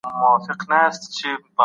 خلګ به خپل ارزښت وپېژني.